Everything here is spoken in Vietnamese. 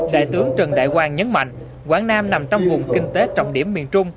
đại tướng trần đại quang nhấn mạnh quảng nam nằm trong vùng kinh tế trọng điểm miền trung